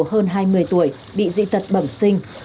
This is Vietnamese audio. hơn hai mươi tuổi bị dị tật bẩm sinh